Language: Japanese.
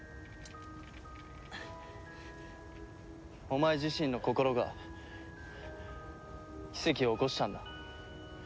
お前自身の心が奇跡を起こしたんだ。